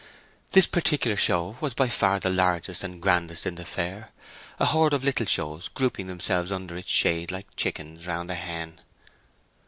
This particular show was by far the largest and grandest in the fair, a horde of little shows grouping themselves under its shade like chickens around a hen.